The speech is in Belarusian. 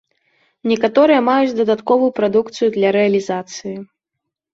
Некаторыя маюць дадатковую прадукцыю для рэалізацыі.